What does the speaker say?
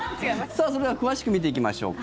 それでは詳しく見ていきましょうか。